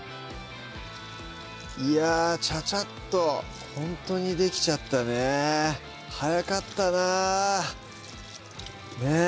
いやちゃちゃっとほんとにできちゃったね早かったなねぇ